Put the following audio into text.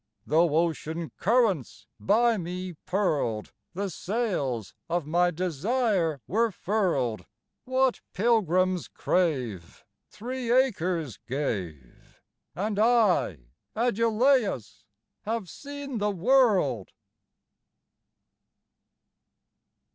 Tho' ocean currents by me purled, The sails of my desire were furled. What pilgrims crave, three acres gave; And I, Aglaus, have seen the world!